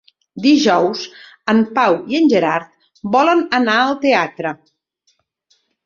Dijous en Pau i en Gerard volen anar al teatre.